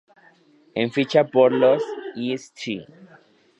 En ficha por los St.